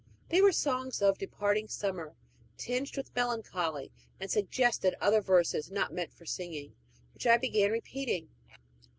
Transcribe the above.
They were songs of departing summer, tinged with melancholy, and suggested other verses not meant for singing, which I began repeating.